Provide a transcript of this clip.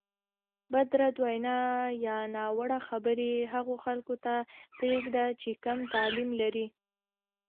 بدرد وینا یا ناوړه خبرې هغو خلکو ته پرېږده چې کم تعلیم لري.